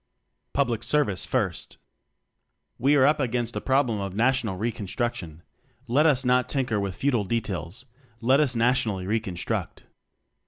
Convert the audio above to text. Public Service First. We are up against the problem oi national reconstruction; let us not tinker with futile details let us na tionally Re construct.